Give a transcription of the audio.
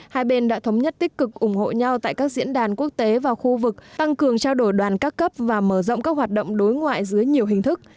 hai bên đã thống nhất tích cực ủng hộ nhau tại các diễn đàn quốc tế và khu vực tăng cường trao đổi đoàn các cấp và mở rộng các hoạt động đối ngoại dưới nhiều hình thức